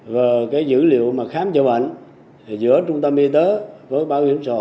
và dữ liệu khám chữa bệnh giữa trung tâm y tế